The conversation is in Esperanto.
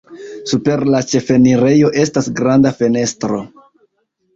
Super la ĉefenirejo estas granda fenestro.